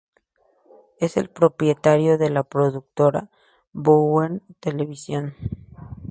Es el propietario de la productora Bowen Televisión.